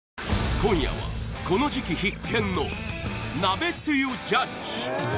今夜はこの時季必見の鍋つゆジャッジ